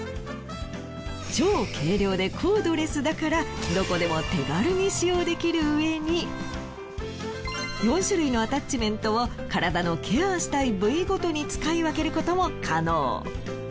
超軽量でコードレスだからどこでも手軽に使用できるうえに４種類のアタッチメントを体のケアしたい部位ごとに使い分けることも可能。